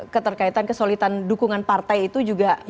keterkaitan kesolidan dukungan partai itu juga